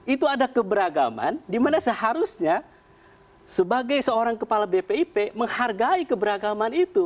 itu ada keberagaman dimana seharusnya sebagai seorang kepala bpip menghargai keberagaman itu